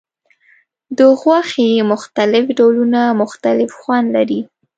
د غوښې مختلف ډولونه مختلف خوند لري.